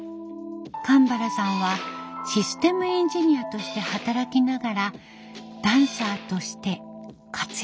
かんばらさんはシステムエンジニアとして働きながらダンサーとして活躍。